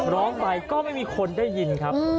ร้องไปก็ไม่มีคนได้ยินครับ